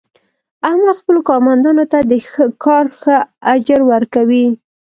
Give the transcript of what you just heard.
احمد خپلو کارمندانو ته د کار ښه اجر ور کوي.